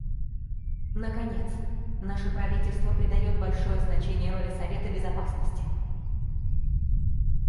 Наконец, наше правительство придает большое значение роли Совета Безопасности.